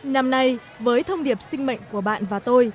năm nay với thông điệp sinh mệnh của bạn và tôi